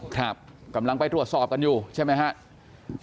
ครับกำลังไปตรวจสอบกันอยู่ใช่ไหมครับ